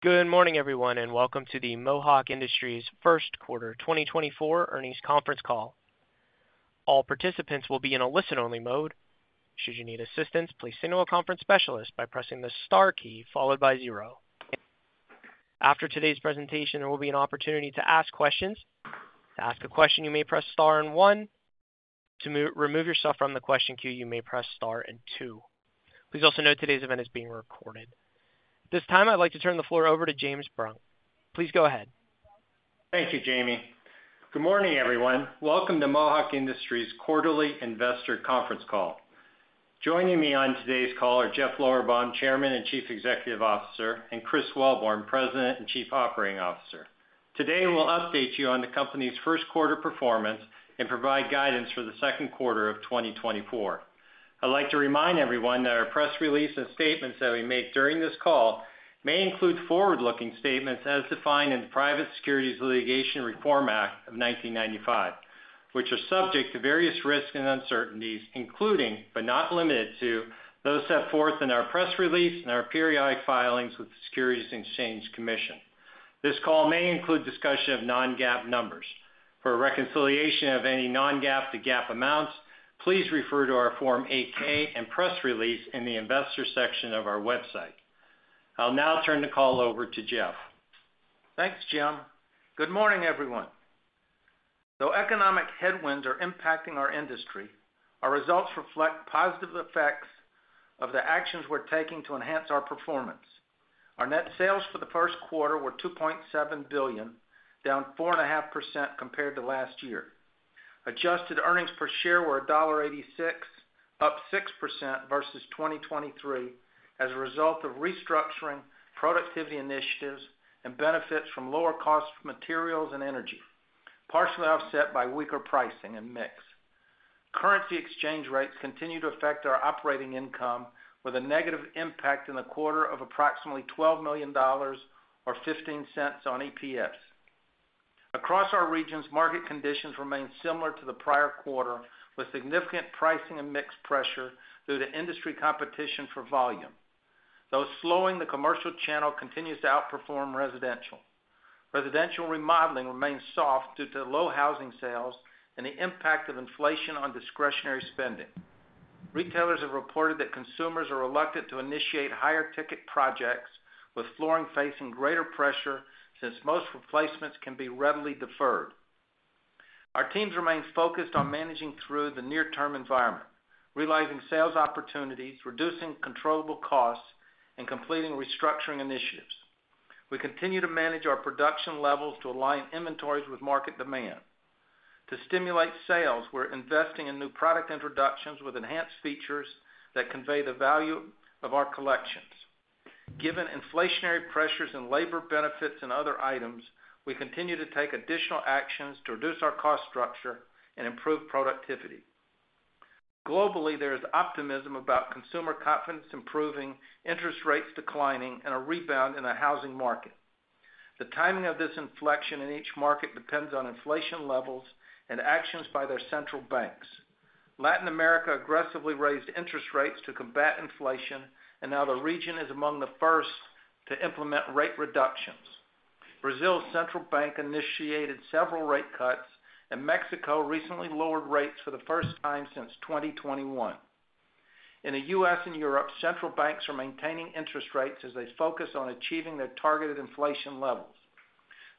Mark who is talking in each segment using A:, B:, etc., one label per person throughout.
A: Good morning, everyone, and welcome to the Mohawk Industries First Quarter 2024 Earnings Conference Call. All participants will be in a listen-only mode. Should you need assistance, please signal a conference specialist by pressing the Star key followed by zero. After today's presentation, there will be an opportunity to ask questions. To ask a question, you may press Star and one. To remove yourself from the question queue, you may press Star and two. Please also note today's event is being recorded. At this time, I'd like to turn the floor over to James Brunk. Please go ahead.
B: Thank you, Jamie. Good morning, everyone. Welcome to Mohawk Industries Quarterly Investor Conference Call. Joining me on today's call are Jeff Lorberbaum, Chairman and Chief Executive Officer, and Chris Wellborn, President and Chief Operating Officer. Today, we'll update you on the company's first quarter performance and provide guidance for the second quarter of 2024. I'd like to remind everyone that our press release and statements that we make during this call may include forward-looking statements as defined in the Private Securities Litigation Reform Act of 1995, which are subject to various risks and uncertainties, including, but not limited to, those set forth in our press release and our periodic filings with the Securities and Exchange Commission. This call may include discussion of non-GAAP numbers. For a reconciliation of any non-GAAP to GAAP amounts, please refer to our Form 8-K and press release in the investor section of our website. I'll now turn the call over to Jeff.
C: Thanks, Jim. Good morning, everyone. Though economic headwinds are impacting our industry, our results reflect positive effects of the actions we're taking to enhance our performance. Our net sales for the first quarter were $2.7 billion, down 4.5% compared to last year. Adjusted earnings per share were $1.86, up 6% versus 2023, as a result of restructuring, productivity initiatives, and benefits from lower cost materials and energy, partially offset by weaker pricing and mix. Currency exchange rates continue to affect our operating income with a negative impact in the quarter of approximately $12 million, or 15 cents on EPS. Across our regions, market conditions remain similar to the prior quarter, with significant pricing and mix pressure due to industry competition for volume. Though slowing, the commercial channel continues to outperform residential. Residential remodeling remains soft due to low housing sales and the impact of inflation on discretionary spending. Retailers have reported that consumers are reluctant to initiate higher-ticket projects, with flooring facing greater pressure since most replacements can be readily deferred. Our teams remain focused on managing through the near-term environment, realizing sales opportunities, reducing controllable costs, and completing restructuring initiatives. We continue to manage our production levels to align inventories with market demand. To stimulate sales, we're investing in new product introductions with enhanced features that convey the value of our collections. Given inflationary pressures and labor benefits and other items, we continue to take additional actions to reduce our cost structure and improve productivity. Globally, there is optimism about consumer confidence improving, interest rates declining, and a rebound in the housing market. The timing of this inflection in each market depends on inflation levels and actions by their central banks. Latin America aggressively raised interest rates to combat inflation, and now the region is among the first to implement rate reductions. Brazil's central bank initiated several rate cuts, and Mexico recently lowered rates for the first time since 2021. In the U.S. and Europe, central banks are maintaining interest rates as they focus on achieving their targeted inflation levels.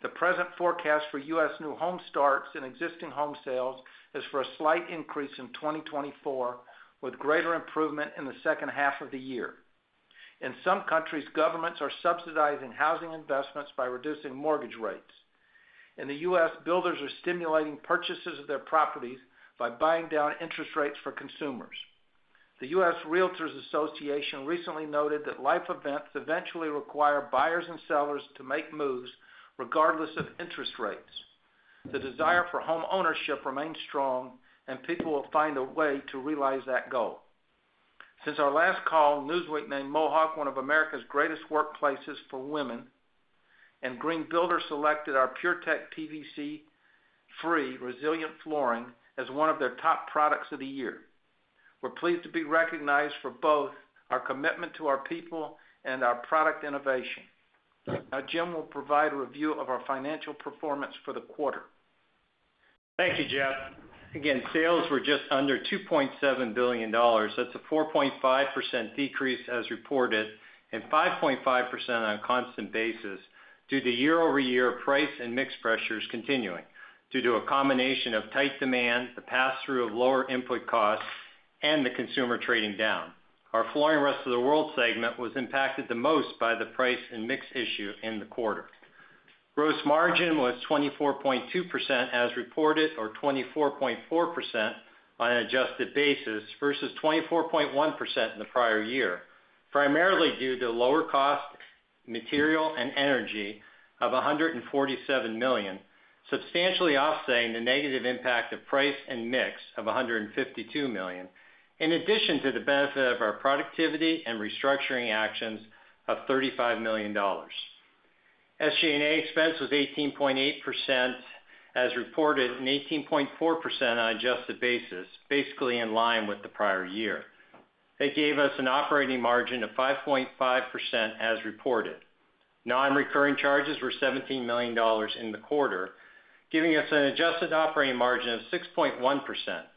C: The present forecast for U.S. new home starts and existing home sales is for a slight increase in 2024, with greater improvement in the second half of the year. In some countries, governments are subsidizing housing investments by reducing mortgage rates. In the U.S., builders are stimulating purchases of their properties by buying down interest rates for consumers. The U.S. Realtors Association recently noted that life events eventually require buyers and sellers to make moves regardless of interest rates. The desire for homeownership remains strong, and people will find a way to realize that goal. Since our last call, Newsweek named Mohawk one of America's Greatest Workplaces for Women, and Green Builder selected our PureTech PVC-free resilient flooring as one of their top products of the year. We're pleased to be recognized for both our commitment to our people and our product innovation. Now, Jim will provide a review of our financial performance for the quarter.
B: Thank you, Jeff. Again, sales were just under $2.7 billion. That's a 4.5% decrease as reported, and 5.5% on a constant basis, due to year-over-year price and mix pressures continuing due to a combination of tight demand, the pass-through of lower input costs, and the consumer trading down. Our Flooring Rest of the World segment was impacted the most by the price and mix issue in the quarter. Gross margin was 24.2%, as reported, or 24.4% on an adjusted basis, versus 24.1% in the prior year, primarily due to lower cost material and energy of $147 million, substantially offsetting the negative impact of price and mix of $152 million, in addition to the benefit of our productivity and restructuring actions of $35 million. SG&A expense was 18.8%, as reported, and 18.4% on an adjusted basis, basically in line with the prior year. It gave us an operating margin of 5.5% as reported. Non-recurring charges were $17 million in the quarter, giving us an adjusted operating margin of 6.1%.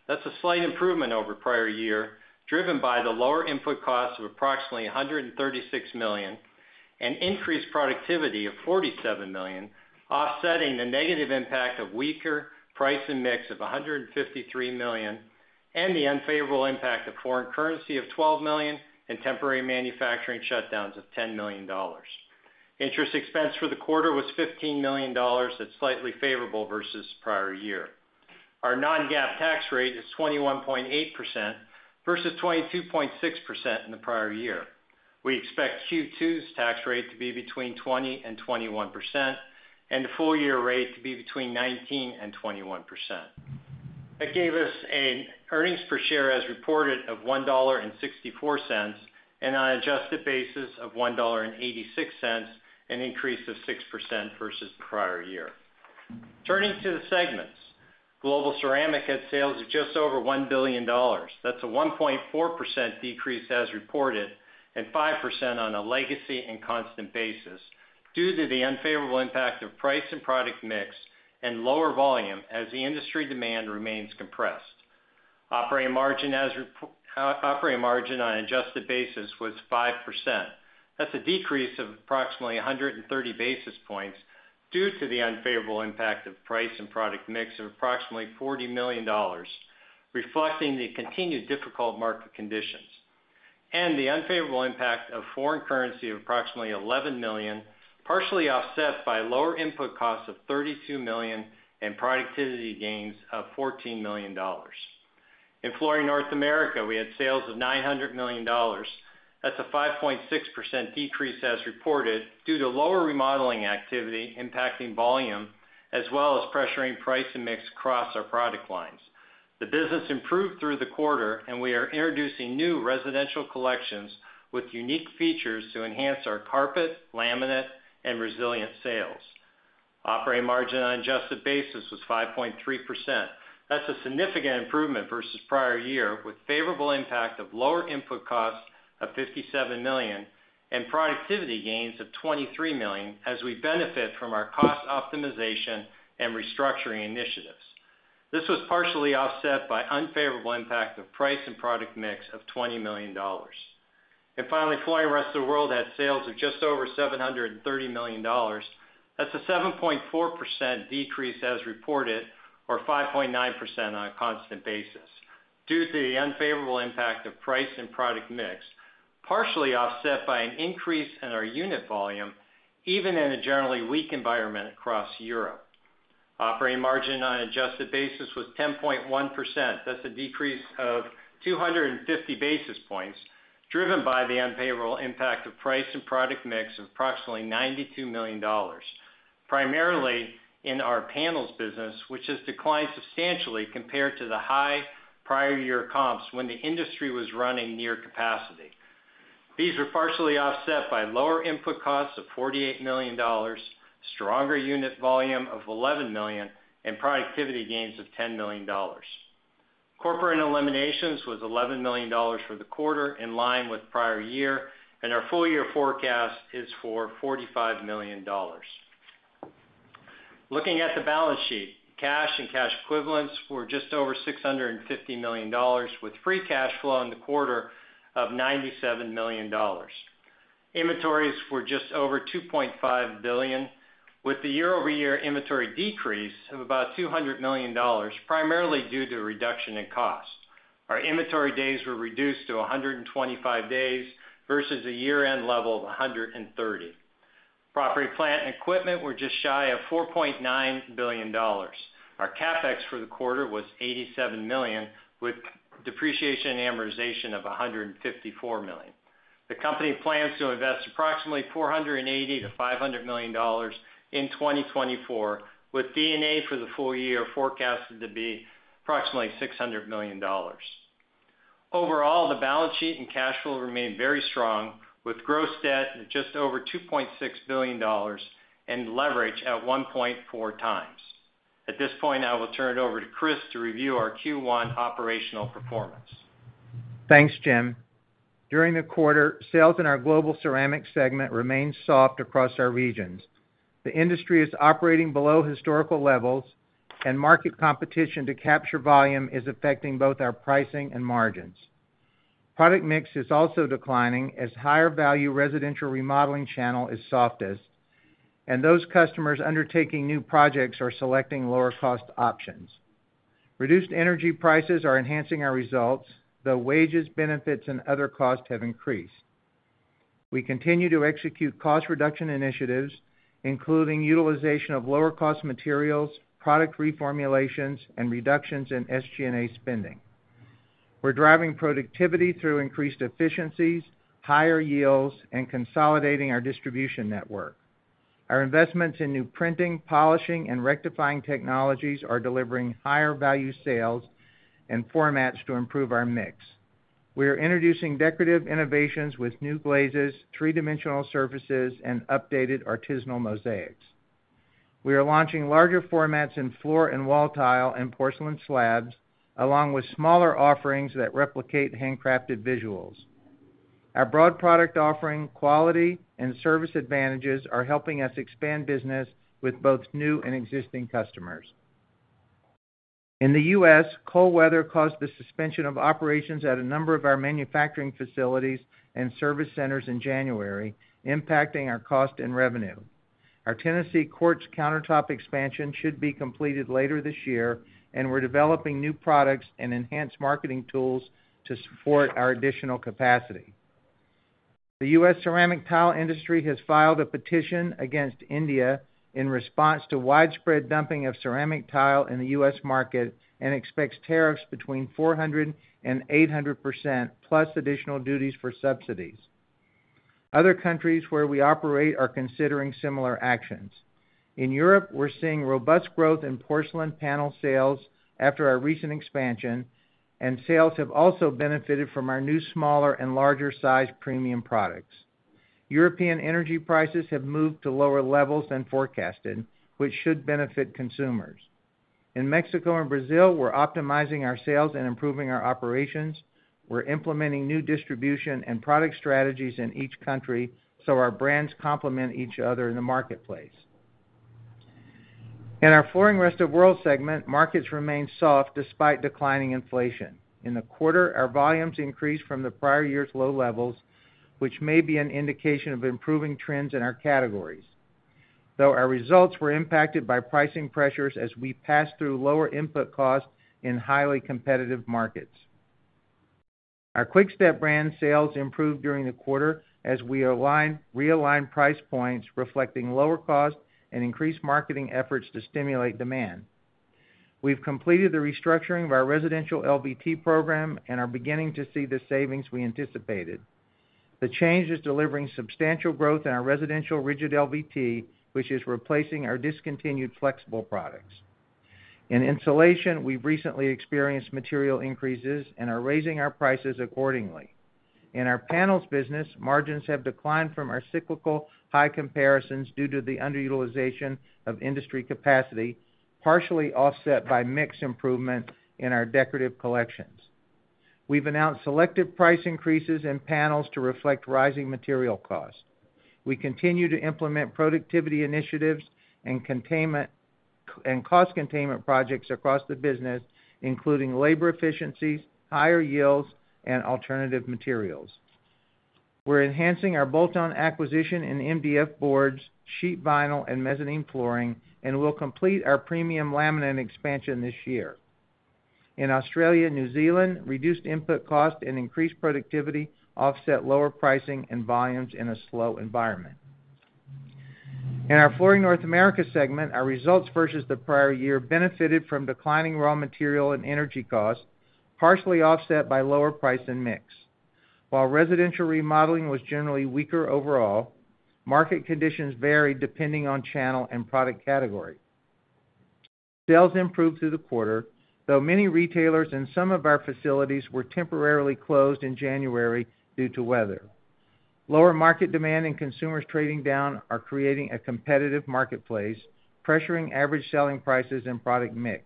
B: That's a slight improvement over prior year, driven by the lower input costs of approximately $136 million, and increased productivity of $47 million, offsetting the negative impact of weaker price and mix of $153 million, and the unfavorable impact of foreign currency of $12 million, and temporary manufacturing shutdowns of $10 million. Interest expense for the quarter was $15 million. That's slightly favorable versus prior year. Our non-GAAP tax rate is 21.8% versus 22.6% in the prior year. We expect Q2's tax rate to be between 20% and 21%, and the full year rate to be between 19% and 21%. That gave us an earnings per share as reported of $1.64, and on an adjusted basis of $1.86, an increase of 6% versus the prior year. Turning to the segments. Global Ceramic had sales of just over $1 billion. That's a 1.4% decrease as reported, and 5% on a legacy and constant basis, due to the unfavorable impact of price and product mix and lower volume as the industry demand remains compressed. Operating margin on an adjusted basis was 5%. That's a decrease of approximately 130 basis points due to the unfavorable impact of price and product mix of approximately $40 million, reflecting the continued difficult market conditions, and the unfavorable impact of foreign currency of approximately $11 million, partially offset by lower input costs of $32 million and productivity gains of $14 million. In Flooring North America, we had sales of $900 million. That's a 5.6% decrease as reported, due to lower remodeling activity impacting volume, as well as pressuring price and mix across our product lines. The business improved through the quarter, and we are introducing new residential collections with unique features to enhance our carpet, laminate, and resilient sales. Operating margin on an adjusted basis was 5.3%. That's a significant improvement versus prior year, with favorable impact of lower input costs of $57 million and productivity gains of $23 million, as we benefit from our cost optimization and restructuring initiatives. This was partially offset by unfavorable impact of price and product mix of $20 million. Finally, Flooring Rest of the World had sales of just over $730 million. That's a 7.4% decrease as reported, or 5.9% on a constant basis, due to the unfavorable impact of price and product mix, partially offset by an increase in our unit volume, even in a generally weak environment across Europe. Operating margin on an adjusted basis was 10.1%. That's a decrease of 250 basis points, driven by the unfavorable impact of price and product mix of approximately $92 million, primarily in our panels business, which has declined substantially compared to the high prior year comps when the industry was running near capacity. These were partially offset by lower input costs of $48 million, stronger unit volume of $11 million, and productivity gains of $10 million. Corporate and eliminations was $11 million for the quarter, in line with prior year, and our full year forecast is for $45 million. Looking at the balance sheet, cash and cash equivalents were just over $650 million, with free cash flow in the quarter of $97 million. Inventories were just over $2.5 billion, with the year-over-year inventory decrease of about $200 million, primarily due to a reduction in cost. Our inventory days were reduced to 125 days versus a year-end level of 130. Property, plant, and equipment were just shy of $4.9 billion. Our CapEx for the quarter was $87 million, with depreciation and amortization of $154 million. The company plans to invest approximately $480 million-$500 million in 2024, with D&A for the full year forecasted to be approximately $600 million. Overall, the balance sheet and cash flow remain very strong, with gross debt at just over $2.6 billion and leverage at 1.4 times. At this point, I will turn it over to Chris to review our Q1 operational performance.
D: Thanks, Jim. During the quarter, sales in our Global Ceramic segment remained soft across our regions. The industry is operating below historical levels, and market competition to capture volume is affecting both our pricing and margins. Product mix is also declining, as higher value residential remodeling channel is softest, and those customers undertaking new projects are selecting lower cost options. Reduced energy prices are enhancing our results, though wages, benefits, and other costs have increased. We continue to execute cost reduction initiatives, including utilization of lower cost materials, product reformulations, and reductions in SG&A spending. We're driving productivity through increased efficiencies, higher yields, and consolidating our distribution network. Our investments in new printing, polishing, and rectifying technologies are delivering higher value sales and formats to improve our mix... We are introducing decorative innovations with new glazes, three-dimensional surfaces, and updated artisanal mosaics. We are launching larger formats in floor and wall tile and porcelain slabs, along with smaller offerings that replicate handcrafted visuals. Our broad product offering, quality, and service advantages are helping us expand business with both new and existing customers. In the U.S., cold weather caused the suspension of operations at a number of our manufacturing facilities and service centers in January, impacting our cost and revenue. Our Tennessee quartz countertop expansion should be completed later this year, and we're developing new products and enhanced marketing tools to support our additional capacity. The U.S. ceramic tile industry has filed a petition against India in response to widespread dumping of ceramic tile in the U.S. market and expects tariffs between 400% and 800%, plus additional duties for subsidies. Other countries where we operate are considering similar actions. In Europe, we're seeing robust growth in porcelain panel sales after our recent expansion, and sales have also benefited from our new smaller and larger size premium products. European energy prices have moved to lower levels than forecasted, which should benefit consumers. In Mexico and Brazil, we're optimizing our sales and improving our operations. We're implementing new distribution and product strategies in each country, so our brands complement each other in the marketplace. In our Flooring Rest of the World segment, markets remain soft despite declining inflation. In the quarter, our volumes increased from the prior year's low levels, which may be an indication of improving trends in our categories, though our results were impacted by pricing pressures as we passed through lower input costs in highly competitive markets. Our Quick-Step brand sales improved during the quarter as we realigned price points, reflecting lower costs and increased marketing efforts to stimulate demand. We've completed the restructuring of our residential LVT program and are beginning to see the savings we anticipated. The change is delivering substantial growth in our residential rigid LVT, which is replacing our discontinued flexible products. In insulation, we've recently experienced material increases and are raising our prices accordingly. In our panels business, margins have declined from our cyclical high comparisons due to the underutilization of industry capacity, partially offset by mix improvement in our decorative collections. We've announced selective price increases in panels to reflect rising material costs. We continue to implement productivity initiatives and cost containment projects across the business, including labor efficiencies, higher yields, and alternative materials. We're enhancing our bolt-on acquisition in MDF boards, sheet vinyl, and mezzanine flooring, and we'll complete our premium laminate expansion this year. In Australia and New Zealand, reduced input costs and increased productivity offset lower pricing and volumes in a slow environment. In our Flooring North America segment, our results versus the prior year benefited from declining raw material and energy costs, partially offset by lower price and mix. While residential remodeling was generally weaker overall, market conditions varied depending on channel and product category. Sales improved through the quarter, though many retailers and some of our facilities were temporarily closed in January due to weather. Lower market demand and consumers trading down are creating a competitive marketplace, pressuring average selling prices and product mix.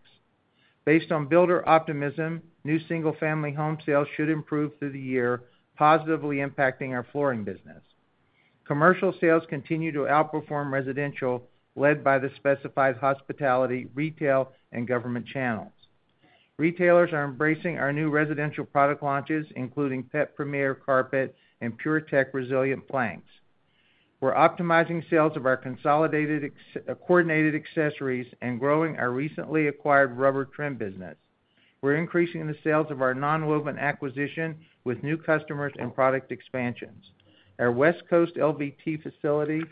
D: Based on builder optimism, new single-family home sales should improve through the year, positively impacting our flooring business. Commercial sales continue to outperform residential, led by the specified hospitality, retail, and government channels. Retailers are embracing our new residential product launches, including PetPremier carpet and PureTech resilient planks. We're optimizing sales of our coordinated accessories and growing our recently acquired rubber trim business. We're increasing the sales of our nonwoven acquisition with new customers and product expansions. Our West Coast LVT facility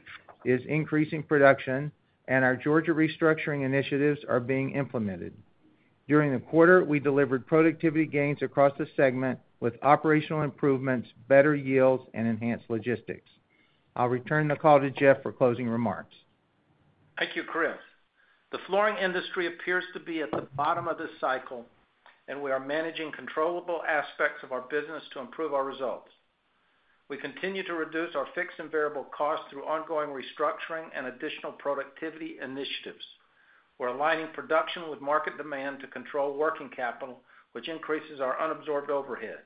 D: is increasing production, and our Georgia restructuring initiatives are being implemented. During the quarter, we delivered productivity gains across the segment with operational improvements, better yields, and enhanced logistics. I'll return the call to Jeff for closing remarks.
C: Thank you, Chris. The flooring industry appears to be at the bottom of this cycle, and we are managing controllable aspects of our business to improve our results. We continue to reduce our fixed and variable costs through ongoing restructuring and additional productivity initiatives. We're aligning production with market demand to control working capital, which increases our unabsorbed overhead.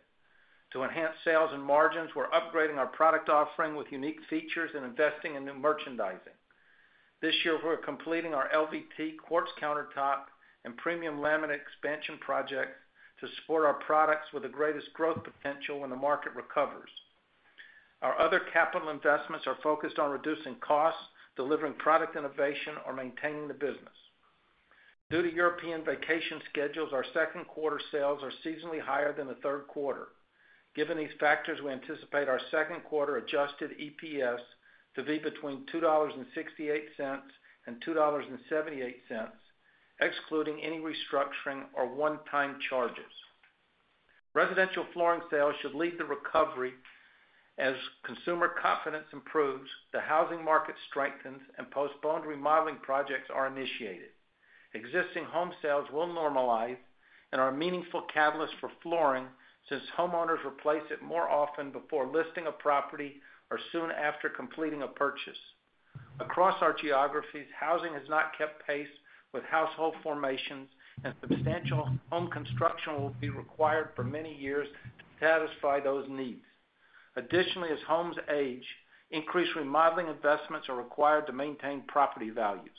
C: To enhance sales and margins, we're upgrading our product offering with unique features and investing in new merchandising. This year, we're completing our LVT, quartz countertop, and premium laminate expansion project to support our products with the greatest growth potential when the market recovers. Our other capital investments are focused on reducing costs, delivering product innovation, or maintaining the business. Due to European vacation schedules, our second quarter sales are seasonally higher than the third quarter. Given these factors, we anticipate our second quarter adjusted EPS to be between $2.68 and $2.78, excluding any restructuring or one-time charges. Residential flooring sales should lead the recovery as consumer confidence improves, the housing market strengthens and postponed remodeling projects are initiated. Existing home sales will normalize and are a meaningful catalyst for flooring, since homeowners replace it more often before listing a property or soon after completing a purchase. Across our geographies, housing has not kept pace with household formations, and substantial home construction will be required for many years to satisfy those needs. Additionally, as homes age, increased remodeling investments are required to maintain property values.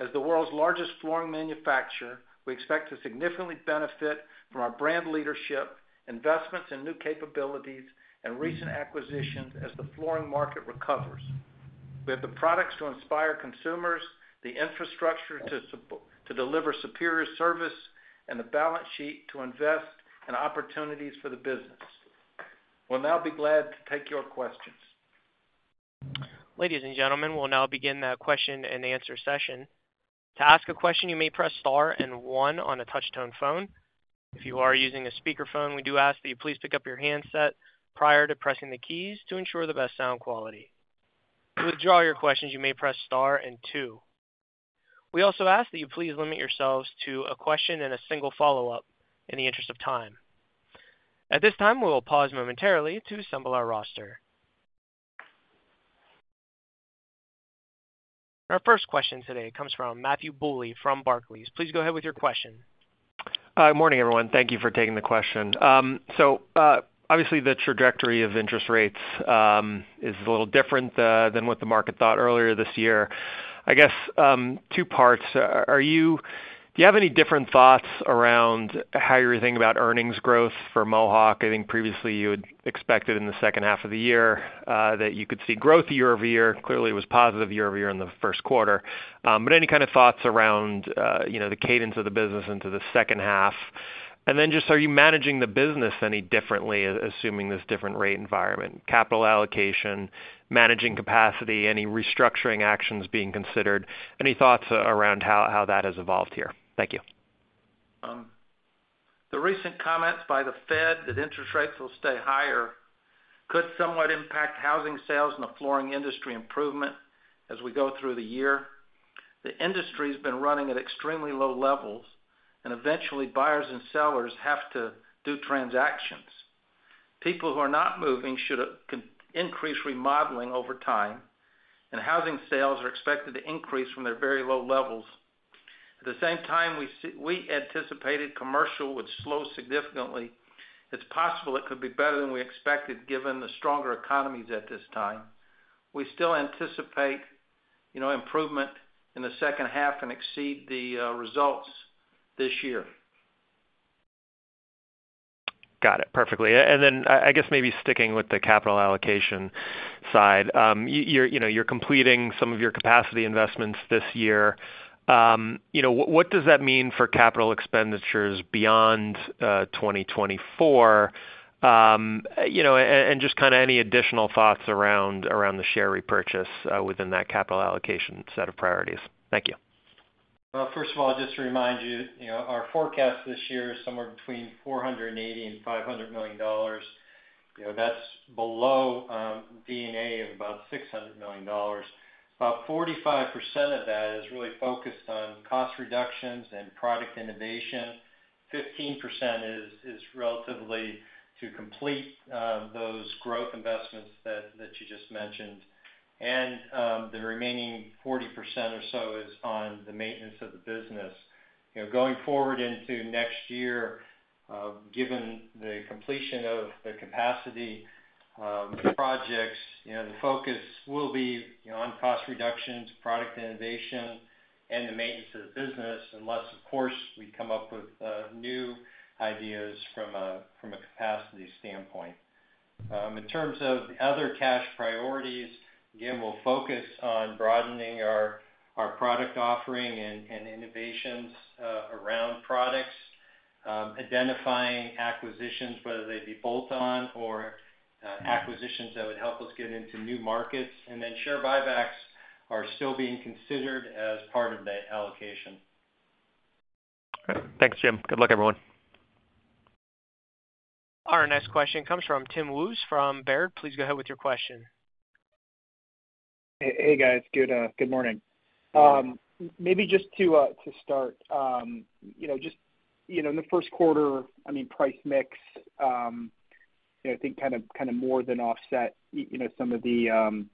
C: As the world's largest flooring manufacturer, we expect to significantly benefit from our brand leadership, investments in new capabilities, and recent acquisitions as the flooring market recovers. We have the products to inspire consumers, the infrastructure to deliver superior service, and the balance sheet to invest in opportunities for the business. We'll now be glad to take your questions.
A: Ladies and gentlemen, we'll now begin the question-and-answer session. To ask a question, you may press star and one on a touchtone phone. If you are using a speakerphone, we do ask that you please pick up your handset prior to pressing the keys to ensure the best sound quality. To withdraw your questions, you may press star and two. We also ask that you please limit yourselves to a question and a single follow-up in the interest of time. At this time, we will pause momentarily to assemble our roster. Our first question today comes from Matthew Bouley from Barclays. Please go ahead with your question.
E: Hi, good morning, everyone. Thank you for taking the question. So, obviously, the trajectory of interest rates is a little different than what the market thought earlier this year. I guess, two parts: Do you have any different thoughts around how you're thinking about earnings growth for Mohawk? I think previously, you had expected in the second half of the year that you could see growth year-over-year. Clearly, it was positive year-over-year in the first quarter. But any kind of thoughts around, you know, the cadence of the business into the second half? And then just, are you managing the business any differently, assuming this different rate environment, capital allocation, managing capacity, any restructuring actions being considered? Any thoughts around how that has evolved here? Thank you.
B: The recent comments by the Fed that interest rates will stay higher could somewhat impact housing sales and the flooring industry improvement as we go through the year. The industry has been running at extremely low levels, and eventually, buyers and sellers have to do transactions. People who are not moving should increase remodeling over time, and housing sales are expected to increase from their very low levels. At the same time, we anticipated commercial would slow significantly. It's possible it could be better than we expected, given the stronger economies at this time. We still anticipate, you know, improvement in the second half and exceed the results this year.
E: Got it. Perfectly. And then, I guess maybe sticking with the capital allocation side, you're, you know, you're completing some of your capacity investments this year. What does that mean for capital expenditures beyond 2024? And just kind of any additional thoughts around the share repurchase within that capital allocation set of priorities. Thank you.
B: Well, first of all, just to remind you, you know, our forecast this year is somewhere between $480 million and $500 million. You know, that's below D&A of about $600 million. About 45% of that is really focused on cost reductions and product innovation. 15% is relatively to complete those growth investments that you just mentioned. And the remaining 40% or so is on the maintenance of the business. You know, going forward into next year, given the completion of the capacity projects, you know, the focus will be, you know, on cost reductions, product innovation, and the maintenance of the business, unless, of course, we come up with new ideas from a capacity standpoint. In terms of other cash priorities, again, we'll focus on broadening our product offering and innovations around products, identifying acquisitions, whether they be bolt-on or acquisitions that would help us get into new markets. And then share buybacks are still being considered as part of that allocation.
E: Thanks, Jim. Good luck, everyone.
A: Our next question comes from Timothy Wojs from Baird. Please go ahead with your question.
F: Hey, hey, guys. Good morning. Maybe just to start, you know, just, you know, in the first quarter, I mean, price mix, you know, I think kind of, kind of more than offset you know, some of the,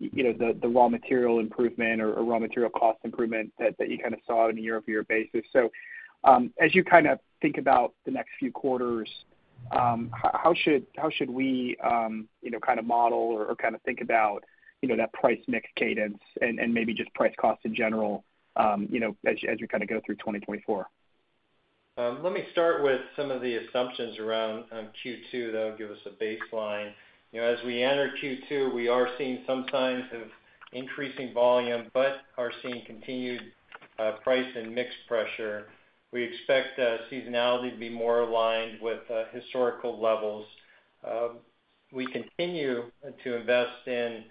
F: you know, the, the raw material improvement or raw material cost improvement that you kind of saw on a year-over-year basis. So, as you kind of think about the next few quarters, how should we, you know, kind of model or kind of think about you know, that price mix cadence and maybe just price costs in general, you know, as you, as you kind of go through 2024?
C: Let me start with some of the assumptions around Q2. That'll give us a baseline. You know, as we enter Q2, we are seeing some signs of increasing volume, but are seeing continued price and mix pressure. We expect seasonality to be more aligned with historical levels. We continue to invest in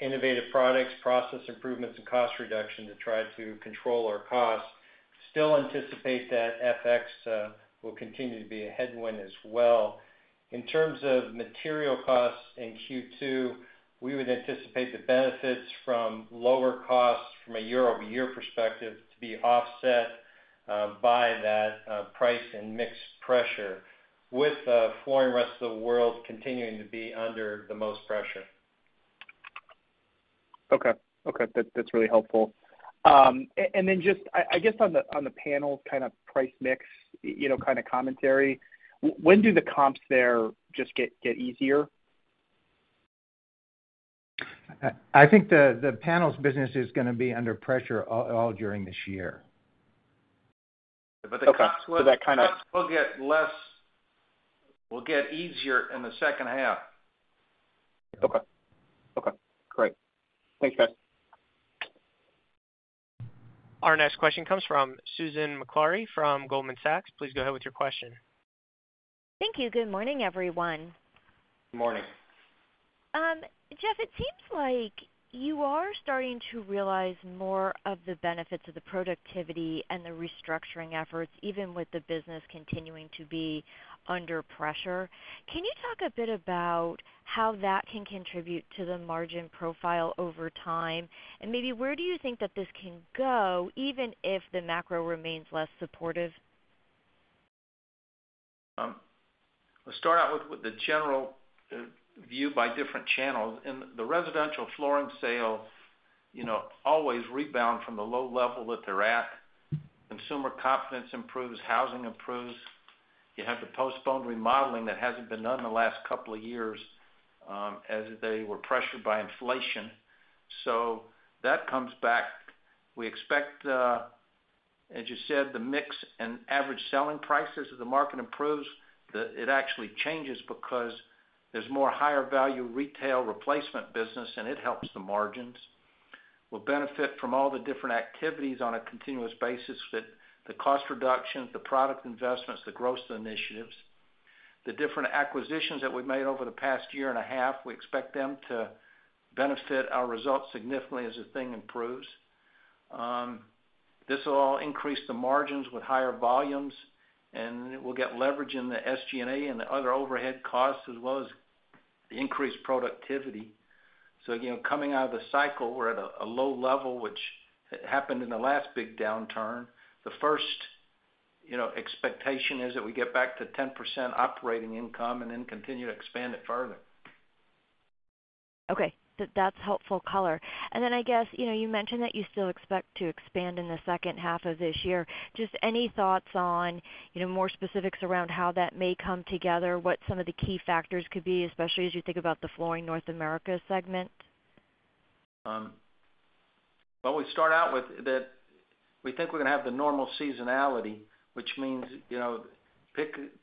C: innovative products, process improvements, and cost reduction to try to control our costs. Still anticipate that FX will continue to be a headwind as well. In terms of material costs in Q2, we would anticipate the benefits from lower costs from a year-over-year perspective to be offset by that price and mix pressure, with Flooring Rest of the World continuing to be under the most pressure.
F: Okay. Okay, that's really helpful. And then just I guess, on the panels, kind of price mix, you know, kind of commentary, when do the comps there just get easier?
D: I think the panels business is gonna be under pressure all during this year.
F: Okay, so that kind of-
C: Comps will get less, will get easier in the second half.
F: Okay. Okay, great. Thanks, guys.
A: Our next question comes from Susan Maklari from Goldman Sachs. Please go ahead with your question.
G: Thank you. Good morning, everyone.
C: Morning.
G: Jeff, it seems like you are starting to realize more of the benefits of the productivity and the restructuring efforts, even with the business continuing to be under pressure. Can you talk a bit about how that can contribute to the margin profile over time? And maybe where do you think that this can go, even if the macro remains less supportive?
C: Let's start out with the general view by different channels. In the residential flooring sale, you know, always rebound from the low level that they're at. Consumer confidence improves, housing improves. You have the postponed remodeling that hasn't been done in the last couple of years, as they were pressured by inflation. So that comes back. We expect, as you said, the mix and average selling prices as the market improves, it actually changes because there's more higher value retail replacement business, and it helps the margins. We'll benefit from all the different activities on a continuous basis, with the cost reductions, the product investments, the growth initiatives. The different acquisitions that we've made over the past year and a half, we expect them to benefit our results significantly as the thing improves. This will all increase the margins with higher volumes, and we'll get leverage in the SG&A and the other overhead costs, as well as the increased productivity. So again, coming out of the cycle, we're at a low level, which happened in the last big downturn. The first, you know, expectation is that we get back to 10% operating income and then continue to expand it further.
G: Okay, that's helpful color. Then, I guess, you know, you mentioned that you still expect to expand in the second half of this year. Just any thoughts on, you know, more specifics around how that may come together, what some of the key factors could be, especially as you think about the Flooring North America segment?
C: Well, we start out with that we think we're gonna have the normal seasonality, which means, you know,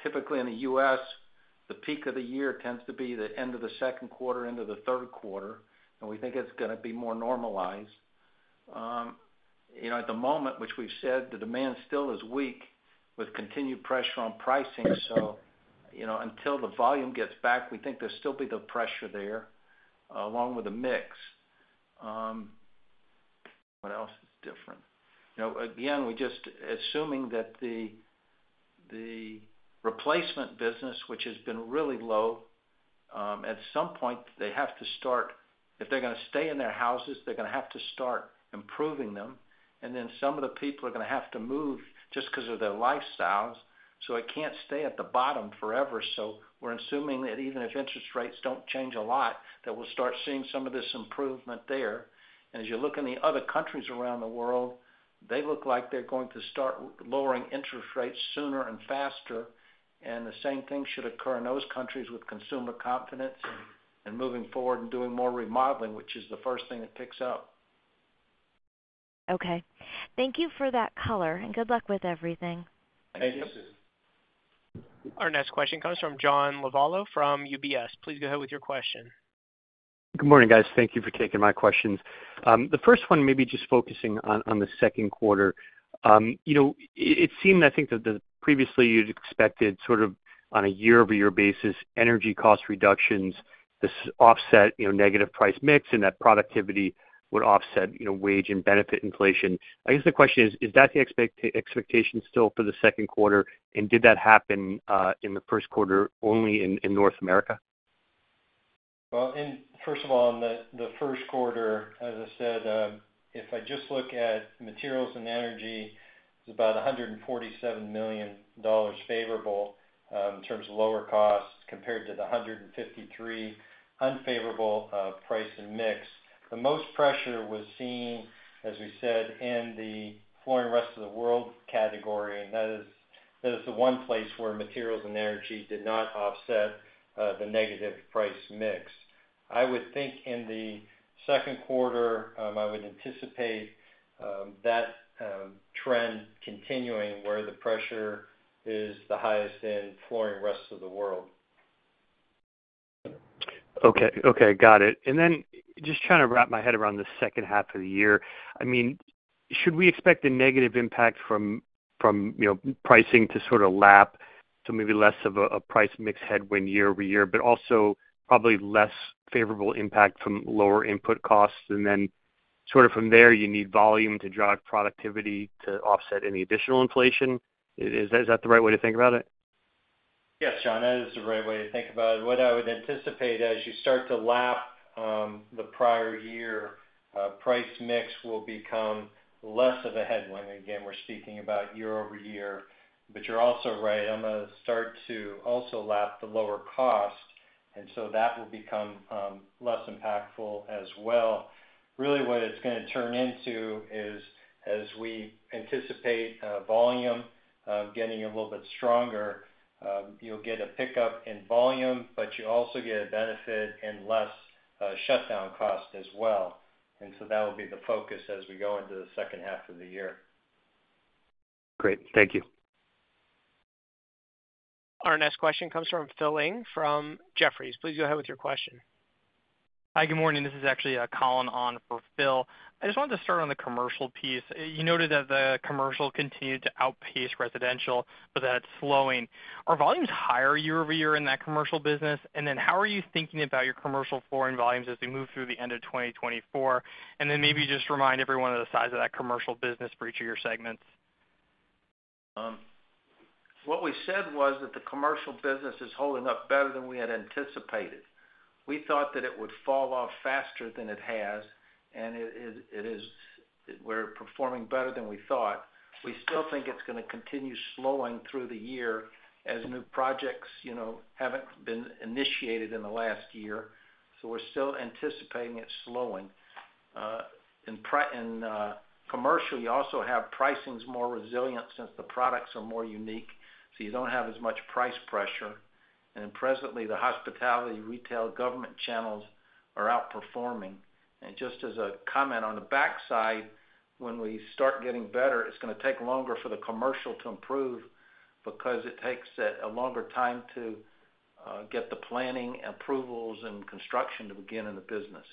C: typically in the US, the peak of the year tends to be the end of the second quarter into the third quarter, and we think it's gonna be more normalized. You know, at the moment, which we've said, the demand still is weak, with continued pressure on pricing. So, you know, until the volume gets back, we think there's still be the pressure there, along with the mix. What else is different? You know, again, we're just assuming that the replacement business, which has been really low, at some point, they have to start... If they're gonna stay in their houses, they're gonna have to start improving them, and then some of the people are gonna have to move just because of their lifestyles, so it can't stay at the bottom forever. So we're assuming that even if interest rates don't change a lot, that we'll start seeing some of this improvement there. And as you look in the other countries around the world, they look like they're going to start lowering interest rates sooner and faster, and the same thing should occur in those countries with consumer confidence and moving forward and doing more remodeling, which is the first thing that picks up.
G: Okay. Thank you for that color, and good luck with everything.
C: Thank you, Susan.
A: Our next question comes from John Lovallo from UBS. Please go ahead with your question.
H: Good morning, guys. Thank you for taking my questions. The first one, maybe just focusing on the second quarter. You know, it seemed, I think that previously you'd expected sort of on a year-over-year basis, energy cost reductions this offset, you know, negative price mix, and that productivity would offset, you know, wage and benefit inflation. I guess, the question is: Is that the expectation still for the second quarter, and did that happen in the first quarter only in North America?
C: Well, first of all, in the first quarter, as I said, if I just look at materials and energy, it's about $147 million favorable in terms of lower costs compared to the $153 million unfavorable price and mix. The most pressure was seen, as we said, in the Flooring Rest of the World category, and that is the one place where materials and energy did not offset the negative price mix. I would think in the second quarter, I would anticipate that trend continuing, where the pressure is the highest in Flooring Rest of the World.
H: Okay, okay. Got it. And then just trying to wrap my head around the second half of the year. I mean, should we expect a negative impact from, you know, pricing to sort of lap?so maybe less of a price mix headwind year-over-year, but also probably less favorable impact from lower input costs. And then sort of from there, you need volume to drive productivity to offset any additional inflation. Is that the right way to think about it?
B: Yes, John, that is the right way to think about it. What I would anticipate as you start to lap the prior year, price mix will become less of a headwind. Again, we're speaking about year-over-year. But you're also right, I'm gonna start to also lap the lower cost, and so that will become less impactful as well. Really, what it's gonna turn into is, as we anticipate, volume getting a little bit stronger, you'll get a pickup in volume, but you also get a benefit in less shutdown cost as well. And so that will be the focus as we go into the second half of the year.
H: Great, thank you.
A: Our next question comes from Phil Ng from Jefferies. Please go ahead with your question.
I: Hi, good morning. This is actually, Collin on for Phil. I just wanted to start on the commercial piece. You noted that the commercial continued to outpace residential, but that it's slowing. Are volumes higher year-over-year in that commercial business? And then how are you thinking about your commercial flooring volumes as we move through the end of 2024? And then maybe just remind everyone of the size of that commercial business for each of your segments.
C: What we said was that the commercial business is holding up better than we had anticipated. We thought that it would fall off faster than it has, and we're performing better than we thought. We still think it's gonna continue slowing through the year, as new projects, you know, haven't been initiated in the last year, so we're still anticipating it slowing. In commercial, you also have pricings more resilient since the products are more unique, so you don't have as much price pressure. And presently, the hospitality, retail, government channels are outperforming. And just as a comment on the backside, when we start getting better, it's gonna take longer for the commercial to improve because it takes a longer time to get the planning, approvals, and construction to begin in the business.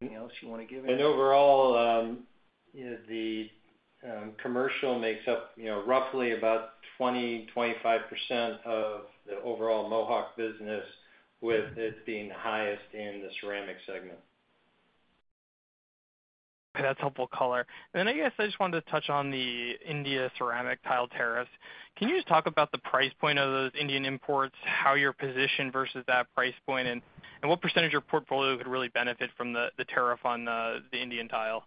C: Anything else you wanna give him?
B: Overall, you know, the commercial makes up, you know, roughly about 20-25% of the overall Mohawk business, with it being the highest in the ceramic segment.
I: That's helpful color. Then, I guess I just wanted to touch on the Indian ceramic tile tariffs. Can you just talk about the price point of those Indian imports, how you're positioned versus that price point, and what percentage of your portfolio could really benefit from the tariff on the Indian tile?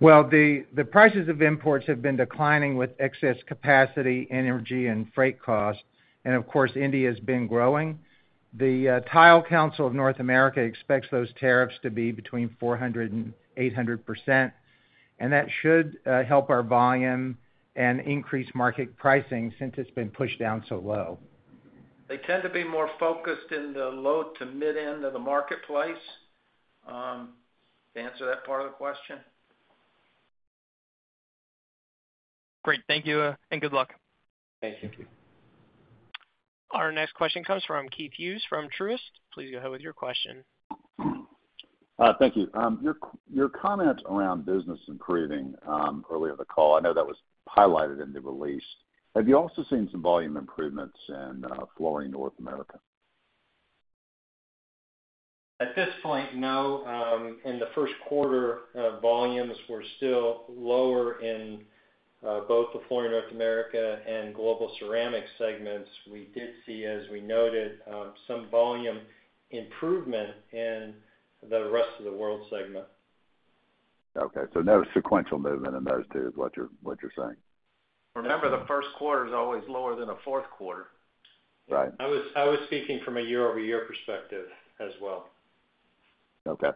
C: Well, the prices of imports have been declining with excess capacity, energy, and freight costs, and of course, India's been growing. The Tile Council of North America expects those tariffs to be between 400% and 800%, and that should help our volume and increase market pricing since it's been pushed down so low.
B: They tend to be more focused in the low to mid end of the marketplace, to answer that part of the question.
I: Great. Thank you, and good luck.
B: Thank you.
C: Thank you.
A: Our next question comes from Keith Hughes from Truist. Please go ahead with your question.
J: Thank you. Your comments around business improving earlier in the call, I know that was highlighted in the release. Have you also seen some volume improvements in Flooring North America?
B: At this point, no. In the first quarter, volumes were still lower in both the Flooring North America and Global Ceramic segments. We did see, as we noted, some volume improvement in the Rest of the World segment.
J: Okay, so no sequential movement in those two, is what you're, what you're saying?
B: Remember, the first quarter is always lower than the fourth quarter.
J: Right.
B: I was speaking from a year-over-year perspective as well.
J: Okay.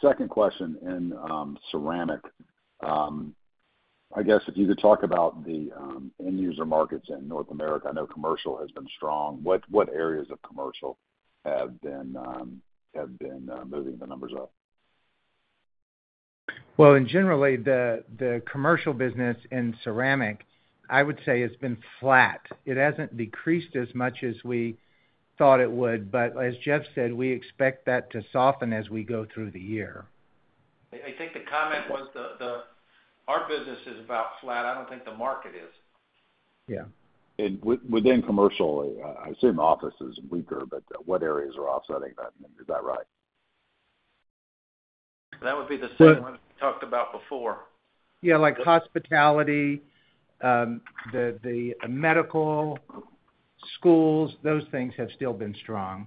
J: Second question in ceramic. I guess if you could talk about the end user markets in North America. I know commercial has been strong. What areas of commercial have been moving the numbers up?
C: Well, in general, the commercial business in ceramic, I would say, has been flat. It hasn't decreased as much as we thought it would, but as Jeff said, we expect that to soften as we go through the year.
B: I think the comment was, our business is about flat. I don't think the market is.
J: Yeah. Within commercial, I assume office is weaker, but what areas are offsetting that? Is that right?
B: That would be the same one we talked about before.
C: Yeah, like hospitality, the medical, schools, those things have still been strong.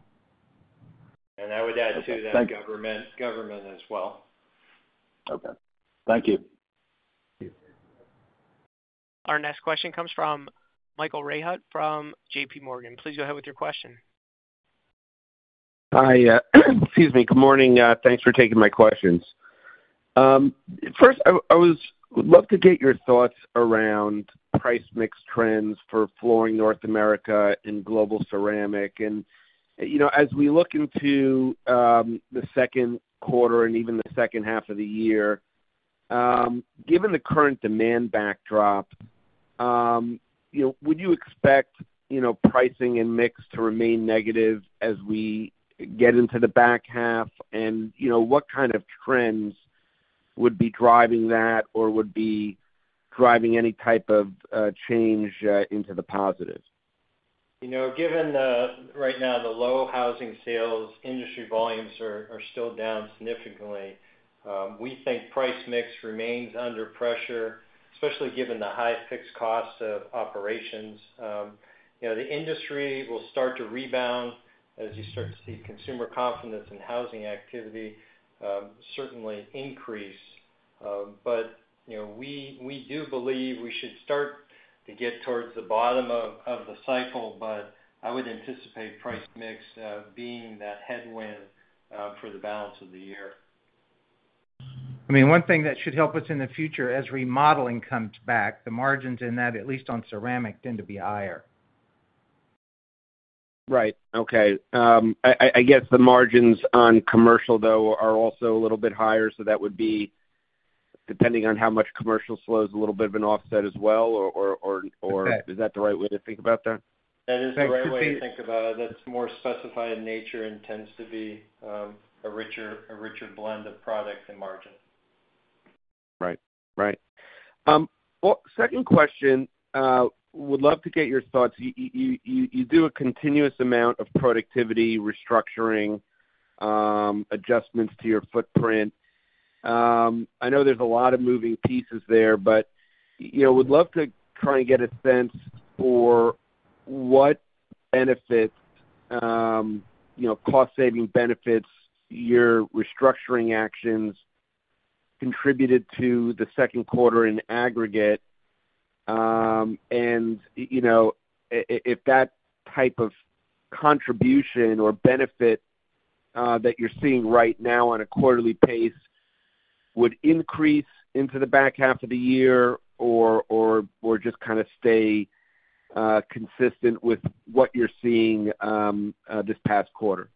B: I would add to that government as well.
J: Okay. Thank you.
C: Thank you.
A: Our next question comes from Michael Rehaut from JPMorgan. Please go ahead with your question.
K: Hi, excuse me. Good morning, thanks for taking my questions. First, I would love to get your thoughts around price mix trends for Flooring North America and Global Ceramic. And, you know, as we look into the second quarter and even the second half of the year, given the current demand backdrop, you know, would you expect, you know, pricing and mix to remain negative as we get into the back half? And, you know, what kind of trends would be driving that or would be driving any type of change into the positives?
B: You know, given the right now, the low housing sales, industry volumes are still down significantly. We think price mix remains under pressure, especially given the high fixed costs of operations. You know, the industry will start to rebound as you start to see consumer confidence and housing activity certainly increase. But, you know, we do believe we should start to get towards the bottom of the cycle, but I would anticipate price mix being that headwind for the balance of the year.
C: I mean, one thing that should help us in the future, as remodeling comes back, the margins in that, at least on ceramic, tend to be higher.
K: Right. Okay. I guess the margins on commercial, though, are also a little bit higher, so that would be, depending on how much commercial slows, a little bit of an offset as well, or...
B: Right.
K: Is that the right way to think about that?
B: That is the right way to think about it. That's more specified in nature and tends to be, a richer, a richer blend of products and margins.
K: Right. Right. Well, second question, would love to get your thoughts. You do a continuous amount of productivity, restructuring, adjustments to your footprint. I know there's a lot of moving pieces there, but, you know, would love to try and get a sense for what benefits, you know, cost-saving benefits, your restructuring actions contributed to the second quarter in aggregate. And, you know, if that type of contribution or benefit, that you're seeing right now on a quarterly pace would increase into the back half of the year or just kind of stay consistent with what you're seeing, this past quarter?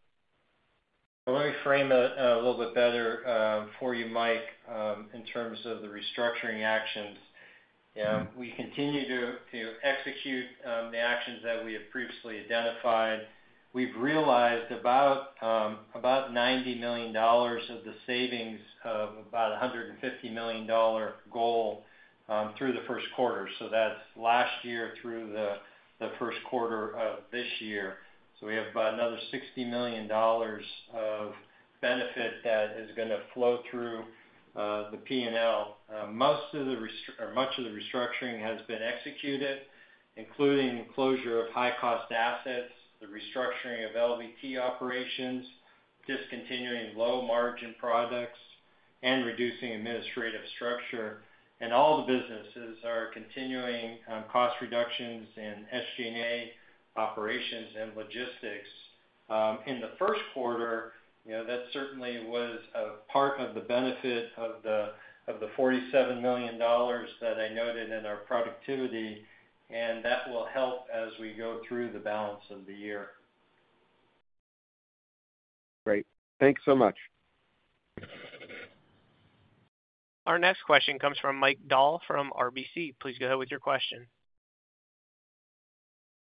B: Let me frame it, a little bit better, for you, Mike, in terms of the restructuring actions. Yeah, we continue to execute the actions that we have previously identified. We've realized about about $90 million of the savings of about a $150 million goal through the first quarter, so that's last year through the first quarter of this year. So we have about another $60 million of benefit that is gonna flow through the P&L. Much of the restructuring has been executed, including the closure of high-cost assets, the restructuring of LVT operations, discontinuing low-margin products, and reducing administrative structure. All the businesses are continuing cost reductions in SG&A operations and logistics. In the first quarter, you know, that certainly was a part of the benefit of the $47 million that I noted in our productivity, and that will help as we go through the balance of the year.
K: Great. Thanks so much.
A: Our next question comes from Mike Dahl from RBC. Please go ahead with your question.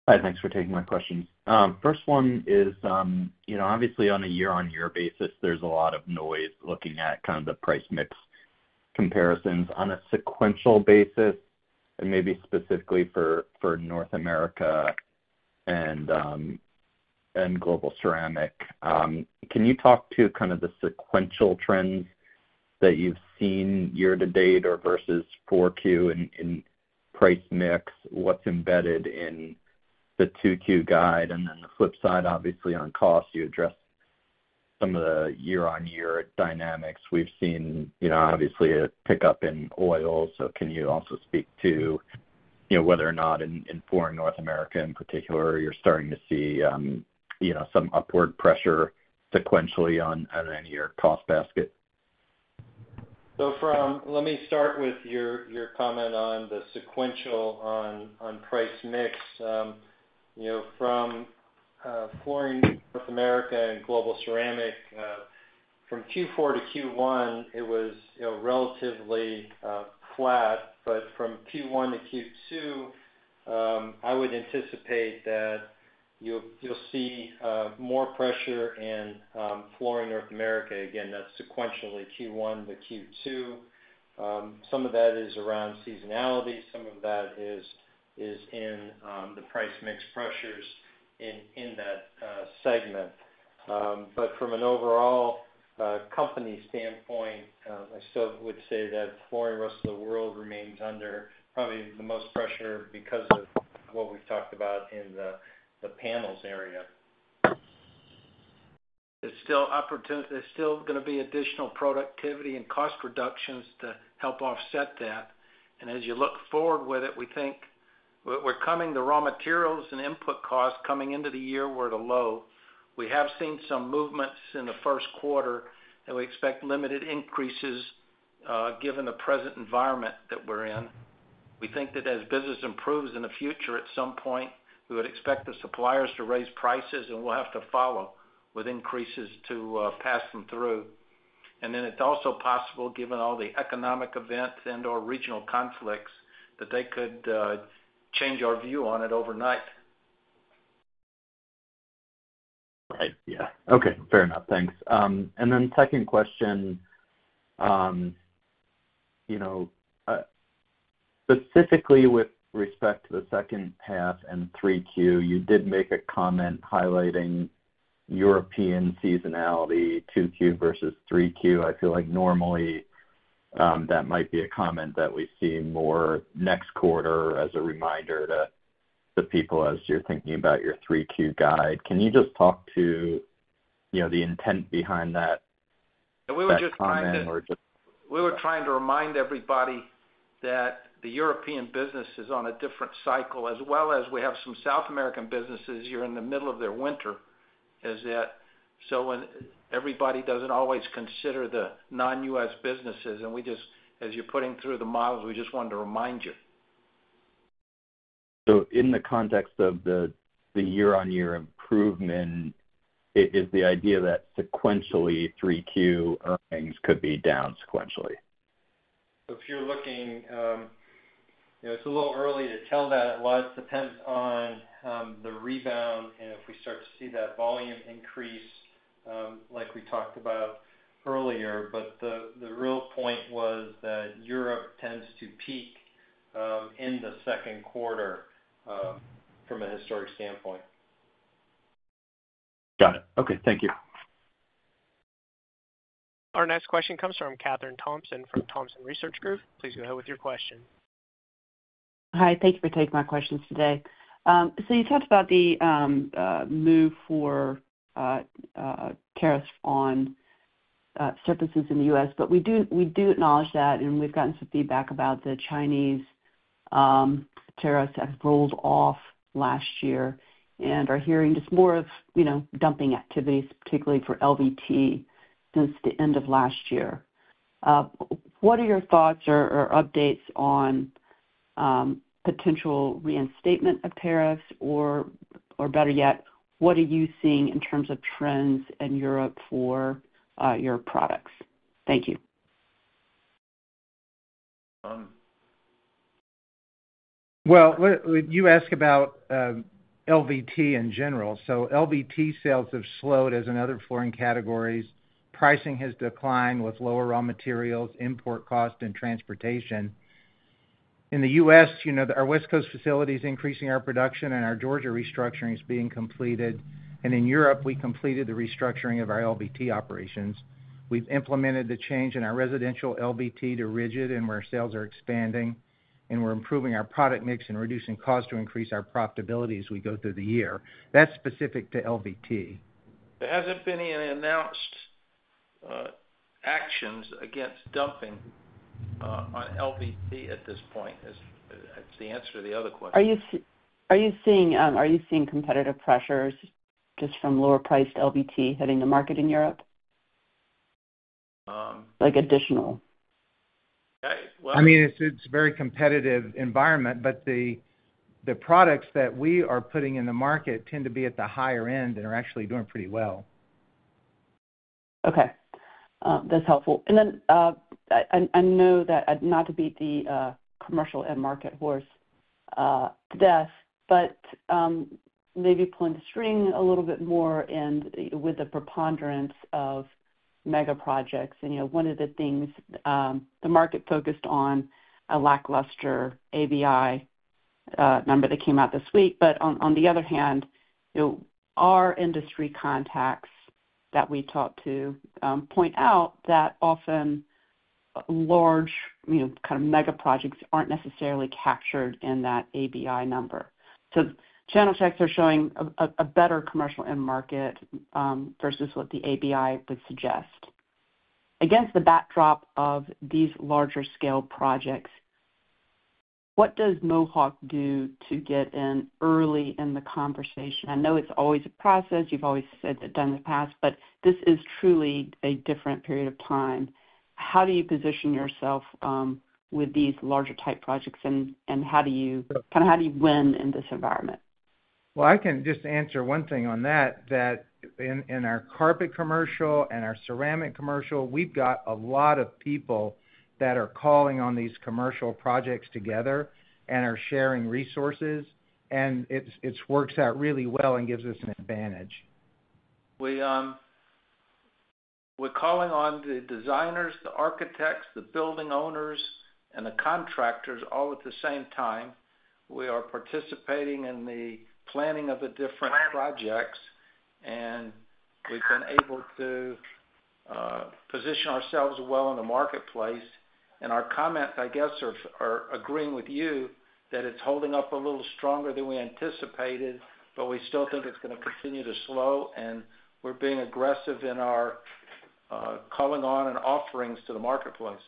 L: Hi, thanks for taking my questions. First one is, you know, obviously, on a year-on-year basis, there's a lot of noise looking at kind of the price mix comparisons. On a sequential basis, and maybe specifically for North America and Global Ceramic, can you talk to kind of the sequential trends that you've seen year to date or versus 4Q in price mix? What's embedded in the 2Q guide? And then the flip side, obviously, on cost, you addressed some of the year-on-year dynamics. We've seen, you know, obviously, a pickup in oil. So can you also speak to, you know, whether or not in flooring North America, in particular, you're starting to see some upward pressure sequentially on your cost basket?
B: Let me start with your comment on the sequential price mix. You know, from Flooring North America and Global Ceramic, from Q4 to Q1, it was, you know, relatively flat. But from Q1 to Q2, I would anticipate that you'll see more pressure in Flooring North America. Again, that's sequentially Q1 to Q2. Some of that is around seasonality. Some of that is in the price mix pressures in that segment. But from an overall company standpoint, I still would say that Flooring Rest of the World remains under probably the most pressure because of what we've talked about in the panels area.
C: There's still gonna be additional productivity and cost reductions to help offset that. And as you look forward with it, we think the raw materials and input costs coming into the year were at a low. We have seen some movements in the first quarter, and we expect limited increases, given the present environment that we're in. We think that as business improves in the future at some point, we would expect the suppliers to raise prices, and we'll have to follow with increases to pass them through. And then it's also possible, given all the economic events and/or regional conflicts, that they could change our view on it overnight.
L: Right. Yeah. Okay, fair enough. Thanks. And then second question, you know, specifically with respect to the second half and 3Q, you did make a comment highlighting European seasonality, 2Q versus 3Q. I feel like normally, that might be a comment that we see more next quarter as a reminder to the people as you're thinking about your 3Q guide. Can you just talk to, you know, the intent behind that, that comment or just-
C: We were trying to remind everybody that the European business is on a different cycle, as well as we have some South American businesses, you're in the middle of their winter, is that? So when everybody doesn't always consider the non-U.S. businesses, and we just, as you're putting through the models, we just wanted to remind you.
L: So in the context of the year-on-year improvement, it is the idea that sequentially, 3Q earnings could be down sequentially.
B: If you're looking, you know, it's a little early to tell that. A lot depends on the rebound and if we start to see that volume increase, like we talked about earlier. But the real point was that Europe tends to peak in the second quarter from a historic standpoint.
L: Got it. Okay. Thank you.
A: Our next question comes from Kathryn Thompson from Thompson Research Group. Please go ahead with your question.
M: Hi, thank you for taking my questions today. So you talked about the move for tariffs on surfaces in the U.S., but we do, we do acknowledge that, and we've gotten some feedback about the Chinese tariffs have rolled off last year and are hearing just more of, you know, dumping activities, particularly for LVT, since the end of last year. What are your thoughts or updates on potential reinstatement of tariffs, or better yet, what are you seeing in terms of trends in Europe for your products? Thank you.
B: Um.
D: Well, you ask about LVT in general. So LVT sales have slowed as in other flooring categories. Pricing has declined with lower raw materials, import costs and transportation. In the U.S., you know, our West Coast facility is increasing our production, and our Georgia restructuring is being completed. And in Europe, we completed the restructuring of our LVT operations. We've implemented the change in our residential LVT to rigid, and where sales are expanding, and we're improving our product mix and reducing costs to increase our profitability as we go through the year. That's specific to LVT.
C: There hasn't been any announced actions against dumping on LVT at this point. That's the answer to the other question.
M: Are you seeing competitive pressures just from lower-priced LVT hitting the market in Europe?
B: Um.
M: Like, additional.
B: Uh, well-
D: I mean, it's a very competitive environment, but the products that we are putting in the market tend to be at the higher end and are actually doing pretty well.
M: Okay. That's helpful. And then, I know that, not to beat the commercial end market horse to death, but maybe pulling the string a little bit more and with the preponderance of mega projects, and, you know, one of the things, the market focused on a lackluster ABI number that came out this week. But on the other hand, you know, our industry contacts that we talked to point out that often large, you know, kind of mega projects aren't necessarily captured in that ABI number. So channel checks are showing a better commercial end market versus what the ABI would suggest. Against the backdrop of these larger scale projects, what does Mohawk do to get in early in the conversation? I know it's always a process. You've always said that down in the past, but this is truly a different period of time. How do you position yourself with these larger type projects, and how do you kind of win in this environment?
D: Well, I can just answer one thing on that, that in our carpet commercial and our ceramic commercial, we've got a lot of people that are calling on these commercial projects together and are sharing resources, and it works out really well and gives us an advantage.
C: We, we're calling on the designers, the architects, the building owners, and the contractors all at the same time. We are participating in the planning of the different projects, and we've been able to position ourselves well in the marketplace. And our comments, I guess, are agreeing with you that it's holding up a little stronger than we anticipated, but we still think it's gonna continue to slow, and we're being aggressive in our calling on and offerings to the marketplace.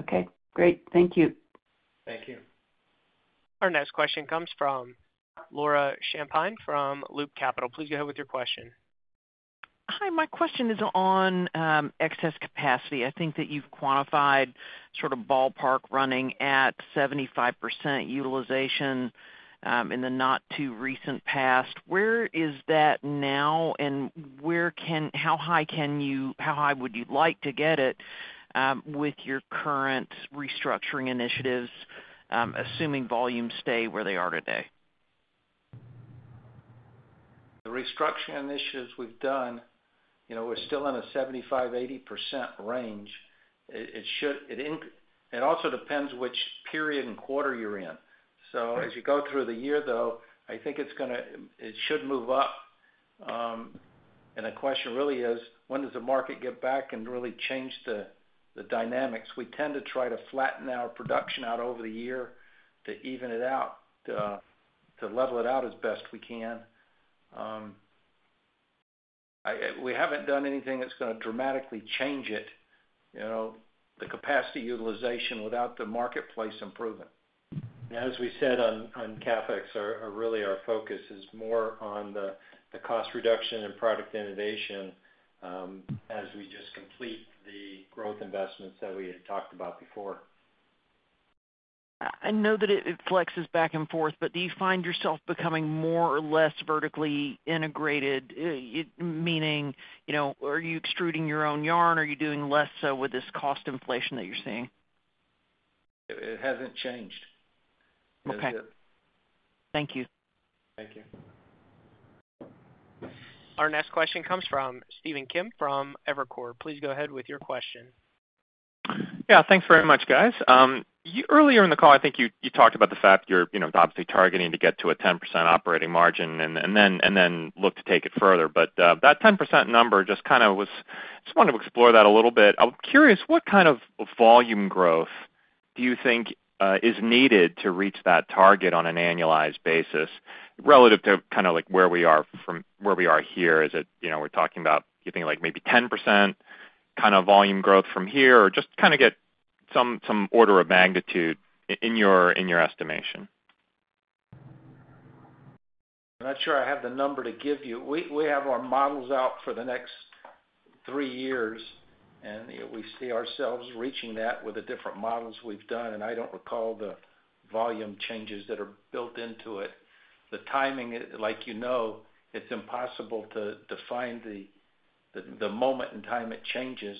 M: Okay, great. Thank you.
C: Thank you.
A: Our next question comes from Laura Champine from Loop Capital. Please go ahead with your question.
N: Hi, my question is on excess capacity. I think that you've quantified sort of ballpark running at 75% utilization in the not too recent past. Where is that now, and how high can you, how high would you like to get it, with your current restructuring initiatives, assuming volumes stay where they are today?
C: The restructuring initiatives we've done, you know, we're still in a 75%-80% range. It should. It also depends which period and quarter you're in. So as you go through the year, though, I think it's gonna, it should move up. And the question really is, when does the market get back and really change the dynamics? We tend to try to flatten our production out over the year to even it out, to level it out as best we can. We haven't done anything that's gonna dramatically change it, you know, the capacity utilization without the marketplace improving.
B: As we said on CapEx, really, our focus is more on the cost reduction and product innovation, as we just complete the growth investments that we had talked about before.
N: I know that it flexes back and forth, but do you find yourself becoming more or less vertically integrated? Meaning, you know, are you extruding your own yarn? Are you doing less so with this cost inflation that you're seeing?
C: It hasn't changed.
N: Okay.
C: That's it.
N: Thank you.
C: Thank you.
A: Our next question comes from Stephen Kim from Evercore. Please go ahead with your question.
O: Yeah, thanks very much, guys. Earlier in the call, I think you talked about the fact you're, you know, obviously targeting to get to a 10% operating margin and then look to take it further. But that 10% number just kind of was... Just wanted to explore that a little bit. I'm curious, what kind of volume growth do you think is needed to reach that target on an annualized basis, relative to kind of, like, where we are here? Is it, you know, we're talking about getting, like, maybe 10% kind of volume growth from here? Or just kind of get some order of magnitude in your estimation.
C: I'm not sure I have the number to give you. We have our models out for the next three years, and, you know, we see ourselves reaching that with the different models we've done, and I don't recall the volume changes that are built into it. The timing, like, you know, it's impossible to define the moment in time it changes.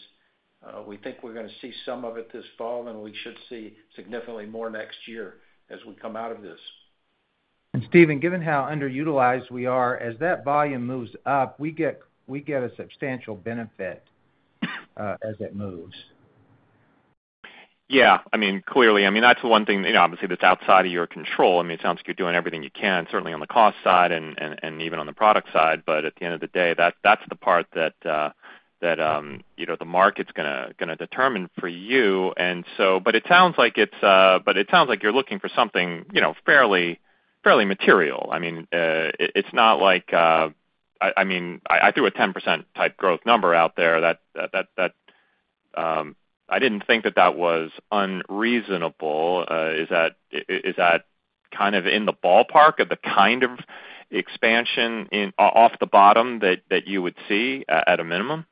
C: We think we're gonna see some of it this fall, and we should see significantly more next year as we come out of this.
B: Stephen, given how underutilized we are, as that volume moves up, we get, we get a substantial benefit, as it moves.
O: Yeah, I mean, clearly. I mean, that's the one thing, you know, obviously, that's outside of your control. I mean, it sounds like you're doing everything you can, certainly on the cost side and even on the product side. But at the end of the day, that's the part that, you know, the market's gonna determine for you. And so, but it sounds like it's, but it sounds like you're looking for something, you know, fairly material. I mean, it's not like... I mean, I threw a 10% type growth number out there, that, I didn't think that that was unreasonable. Is that kind of in the ballpark of the kind of expansion in, off the bottom, that you would see at a minimum?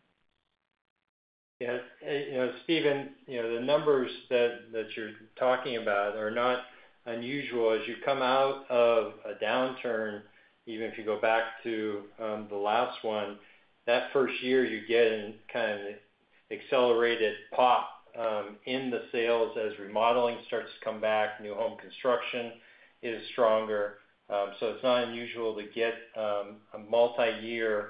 B: Yeah. You know, Stephen, you know, the numbers that, that you're talking about are not unusual. As you come out of a downturn, even if you go back to, the last one, that first year, you get a kind of accelerated pop, in the sales as remodeling starts to come back, new home construction is stronger. So it's not unusual to get, a multiyear,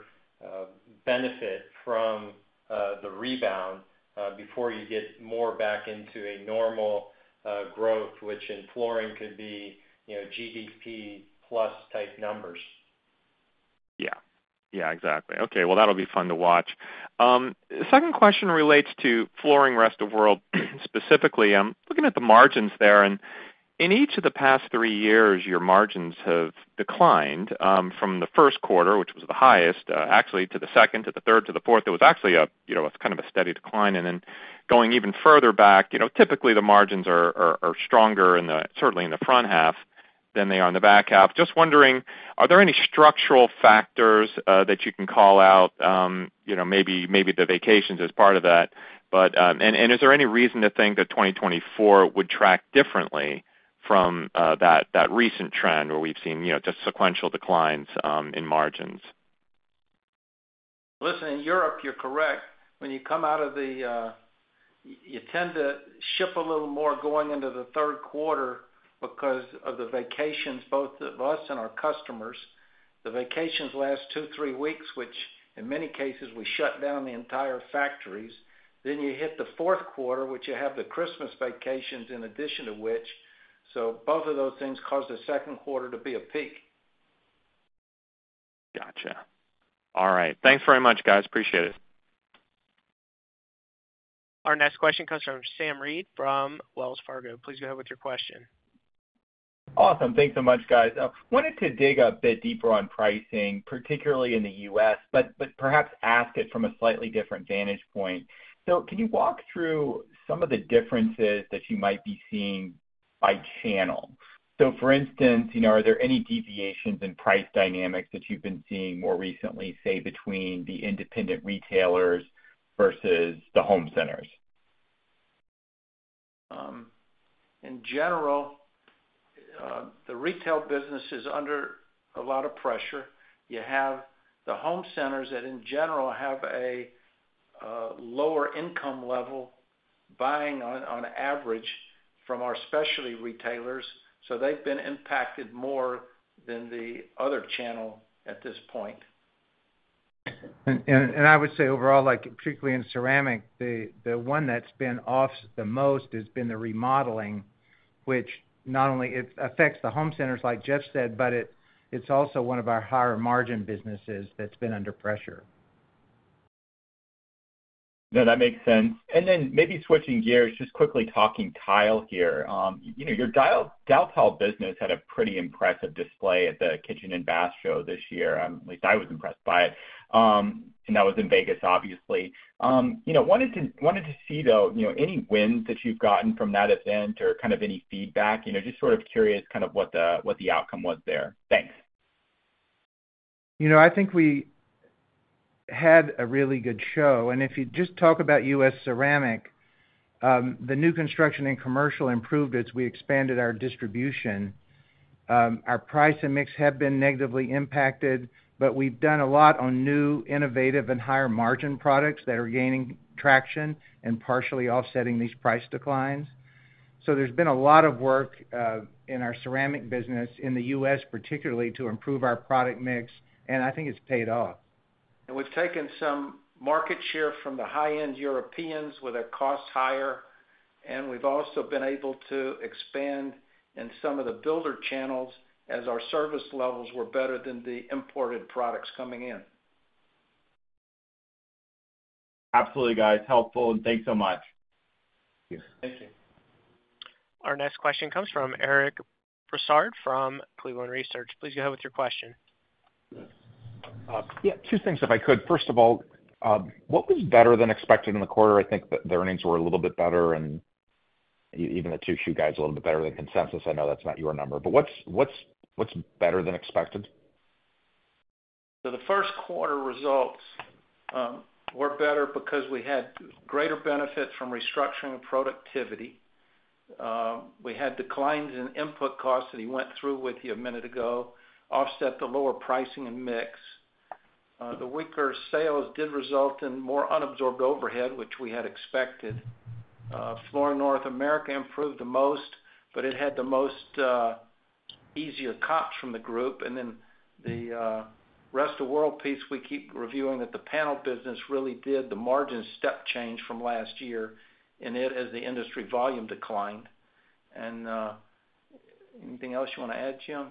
B: benefit from, the rebound, before you get more back into a normal, growth, which in flooring could be, you know, GDP plus type numbers.
O: Yeah. Yeah, exactly. Okay, well, that'll be fun to watch. The second question relates to Flooring Rest of the World, specifically. I'm looking at the margins there, and in each of the past three years, your margins have declined from the first quarter, which was the highest, actually, to the second, to the third, to the fourth. It was actually a, you know, kind of a steady decline. And then going even further back, you know, typically, the margins are stronger in the certainly in the front half than they are in the back half. Just wondering, are there any structural factors that you can call out? You know, maybe, maybe the vacations as part of that. But... Is there any reason to think that 2024 would track differently from that recent trend, where we've seen, you know, just sequential declines in margins?
C: Listen, in Europe, you're correct. When you come out of the, you tend to ship a little more going into the third quarter because of the vacations, both of us and our customers. The vacations last 2-3 weeks, which in many cases, we shut down the entire factories. Then you hit the fourth quarter, which you have the Christmas vacations in addition to which, so both of those things cause the second quarter to be a peak.
O: Gotcha. All right. Thanks very much, guys. Appreciate it.
A: Our next question comes from Sam Reid from Wells Fargo. Please go ahead with your question.
P: Awesome. Thanks so much, guys. Wanted to dig a bit deeper on pricing, particularly in the U.S., but perhaps ask it from a slightly different vantage point. So can you walk through some of the differences that you might be seeing by channel? So for instance, you know, are there any deviations in price dynamics that you've been seeing more recently, say, between the independent retailers versus the home centers?
C: In general, the retail business is under a lot of pressure. You have the home centers that, in general, have a lower income level, buying on average from our specialty retailers, so they've been impacted more than the other channel at this point.
D: And I would say overall, like particularly in ceramic, the one that's been off the most has been the remodeling, which not only it affects the home centers, like Jeff said, but it, it's also one of our higher margin businesses that's been under pressure.
P: No, that makes sense. And then maybe switching gears, just quickly talking tile here. You know, your tile Daltile business had a pretty impressive display at the Kitchen and Bath Show this year. At least I was impressed by it. And that was in Vegas, obviously. You know, wanted to see, though, you know, any wins that you've gotten from that event or kind of any feedback? You know, just sort of curious, kind of what the outcome was there. Thanks.
D: You know, I think we had a really good show, and if you just talk about U.S. Ceramic, the new construction and commercial improved as we expanded our distribution. Our price and mix have been negatively impacted, but we've done a lot on new, innovative, and higher-margin products that are gaining traction and partially offsetting these price declines. So there's been a lot of work in our ceramic business in the U.S., particularly to improve our product mix, and I think it's paid off.
C: We've taken some market share from the high-end Europeans, where their cost higher, and we've also been able to expand in some of the builder channels as our service levels were better than the imported products coming in.
P: Absolutely, guys. Helpful, and thanks so much.
D: Thank you. Thank you.
A: Our next question comes from Eric Bosshard, from Cleveland Research. Please go ahead with your question.
Q: Yeah, two things, if I could. First of all, what was better than expected in the quarter? I think that the earnings were a little bit better, and even the two of you guys a little bit better than consensus. I know that's not your number, but what's better than expected?
C: So the first quarter results were better because we had greater benefit from restructuring and productivity. We had declines in input costs that he went through with you a minute ago offset the lower pricing and mix. The weaker sales did result in more unabsorbed overhead, which we had expected. Flooring North America improved the most, but it had the most easier comps from the group. And then the Flooring Rest of the World piece, we keep reviewing that the panel business really did the margin step change from last year in it as the industry volume declined. And anything else you want to add, Jim?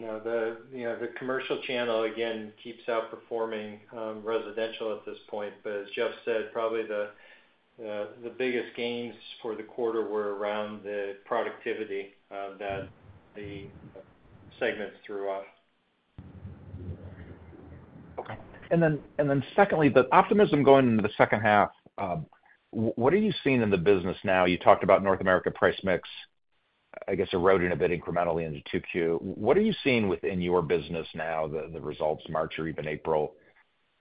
D: No, you know, the commercial channel, again, keeps outperforming residential at this point. But as Jeff said, probably the biggest gains for the quarter were around the productivity that the segments threw off.
Q: Okay. And then secondly, the optimism going into the second half, what are you seeing in the business now? You talked about North America price mix, I guess, eroding a bit incrementally in the 2Q. What are you seeing within your business now, the results March or even April,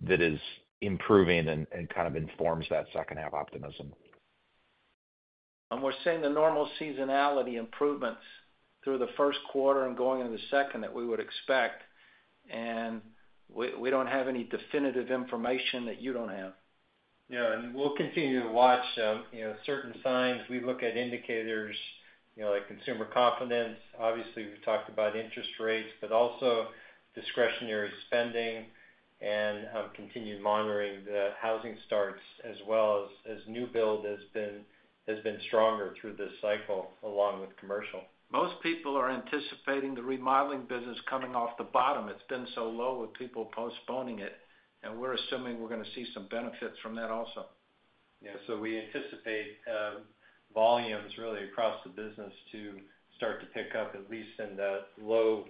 Q: that is improving and kind of informs that second half optimism?
C: We're seeing the normal seasonality improvements through the first quarter and going into the second that we would expect, and we don't have any definitive information that you don't have.
D: Yeah, and we'll continue to watch, you know, certain signs. We look at indicators, you know, like consumer confidence. Obviously, we've talked about interest rates, but also discretionary spending and continued monitoring the housing starts, as well as new build has been stronger through this cycle, along with commercial.
C: Most people are anticipating the remodeling business coming off the bottom. It's been so low with people postponing it, and we're assuming we're gonna see some benefits from that also.
D: Yeah, so we anticipate volumes really across the business to start to pick up, at least in the low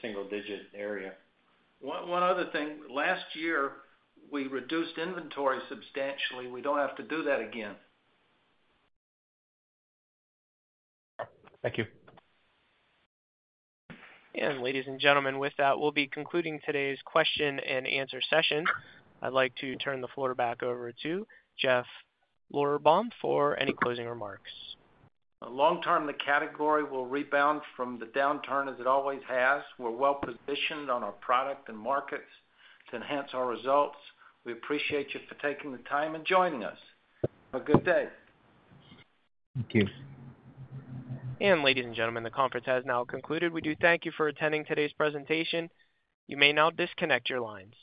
D: single digit area.
C: One other thing, last year, we reduced inventory substantially. We don't have to do that again.
Q: Thank you.
A: Ladies and gentlemen, with that, we'll be concluding today's question and answer session. I'd like to turn the floor back over to Jeff Lorberbaum for any closing remarks.
C: Long term, the category will rebound from the downturn, as it always has. We're well positioned on our product and markets to enhance our results. We appreciate you for taking the time and joining us. Have a good day.
Q: Thank you.
A: Ladies and gentlemen, the conference has now concluded. We do thank you for attending today's presentation. You may now disconnect your lines.